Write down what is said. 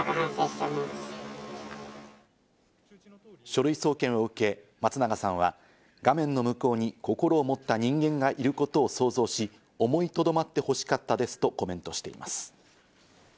書類送検を受け、松永さんは画面の向こうに心を持った人間がいることを想像し、思いとどまってほしかったですとコメントしています。